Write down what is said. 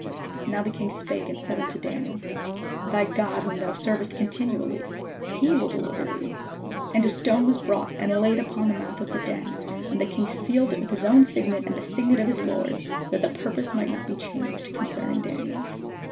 Now the king spake and said unto Daniel: "Thy God whom thou servest continually, he will deHver thee." And a stone was brought, and laid upon the mouth of the den; and the king sealed it with his own signet, and with the signet of his lords; that the purpose might not be changed con cerning Daniel.